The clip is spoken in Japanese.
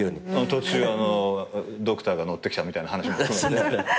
途中ドクターがノってきたみたいな話も含めて。